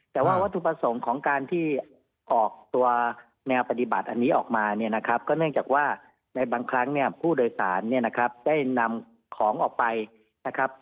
แต่ว่าวัตถุประสงค์ของการที่ออกตัวแนวปฏิบัติอันนี้ออกมาเนี่ยนะครับก็เนื่องจากว่าในบางครั้งเนี่ยผู้โดยสารเนี่ยนะครับได้นำของออกไปนะครับ